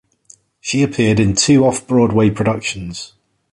She appeared in two off-Broadway productions.